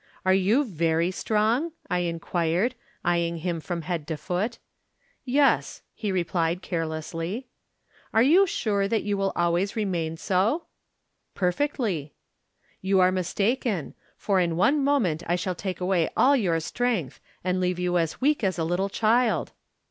" r Are you very strong ?' I inquired, eyeing him from head to foot. "' Yes,' he replied, carelessh ."• Are you sure that you will always remain so >• "'Perfectly/ "' You are mistaken $ for in one moment I shall take away aD your strength, and leave you as weak as a little child.'